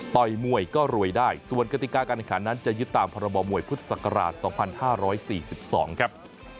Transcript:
มวยก็รวยได้ส่วนกติกาการแข่งขันนั้นจะยึดตามพรบมวยพุทธศักราช๒๕๔๒ครับ